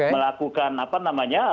melakukan apa namanya